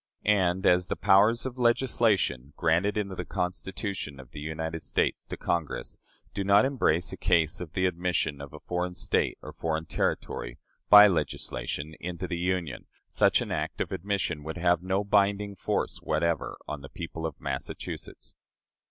And as the powers of legislation, granted in the Constitution of the United States to Congress, do not embrace a case of the admission of a foreign state or foreign territory, by legislation, into the Union, such an act of admission would have no binding force whatever on the people of Massachusetts.